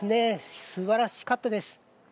すばらしかったです。